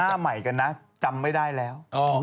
หน้าใหม่กันนะจำไม่ได้แล้ว